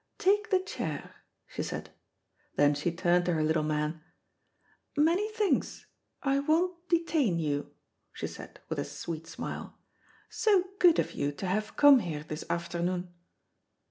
"Take the chair," she said. Then she turned to her little man. "Many thanks. I won't detain you," she said, with a sweet smile. "So good of you to have come here this afternoon."